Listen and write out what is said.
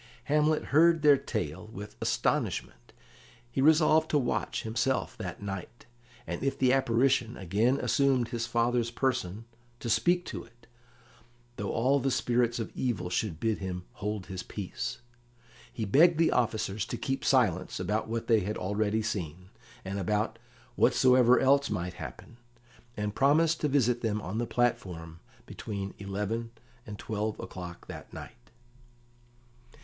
Hamlet heard their tale with astonishment. He resolved to watch, himself, that night, and if the apparition again assumed his father's person, to speak to it, though all the spirits of evil should bid him hold his peace. He begged the officers to keep silence about what they had already seen, and about whatsoever else might happen, and promised to visit them on the platform between eleven and twelve o'clock that night.